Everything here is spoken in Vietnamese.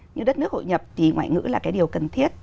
như đất nước hội nhập thì ngoại ngữ là cái điều cần thiết